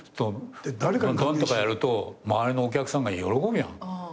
ドラムとかやると周りのお客さんが喜ぶやん。